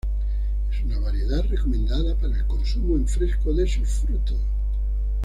Es una variedad recomendada para el consumo en fresco de sus frutos.